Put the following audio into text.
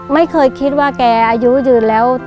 ไม่เคยคิดว่าแกอายุยืนแล้ว